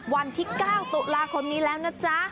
วันที่๙ตุลาคมนี้แล้วนะจ๊ะ